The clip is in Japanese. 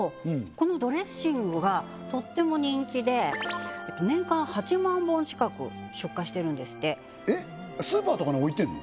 このドレッシングがとっても人気で年間８万本ちかく出荷してるんですってえっスーパーとかに置いてんの？